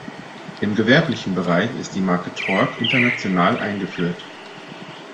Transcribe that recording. Im gewerblichen Bereich ist die Marke "Tork" international eingeführt.